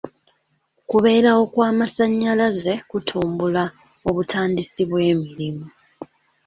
Okubeerawo kw'amasannyalaze kutumbula obutandisi bw'emirimu.